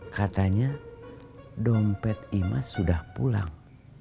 katanya dompet imas sudah pulang